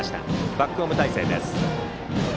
バックホーム態勢です。